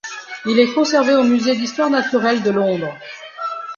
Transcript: Il est conservé au musée d'histoire naturelle de Londres.